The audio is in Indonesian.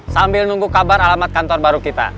sambil nunggu kabar alamat kantor baru kita